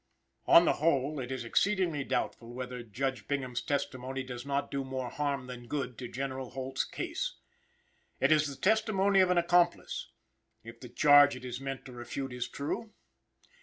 On the whole, it is exceedingly doubtful whether Judge Bingham's testimony does not do more harm than good to General Holt's case. It is the testimony of an accomplice, if the charge it is meant to refute is true.